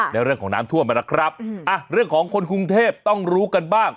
เรื่องของน้ำท่วมนะครับเรื่องของคนกรุงเทพต้องรู้กันบ้าง